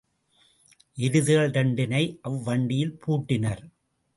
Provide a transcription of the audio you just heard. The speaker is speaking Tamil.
எருதுகள் இரண்டினை அவ் வண்டியில் பூட்டினர்.